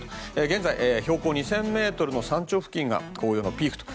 現在、標高２０００ｍの山頂付近が紅葉のピークと。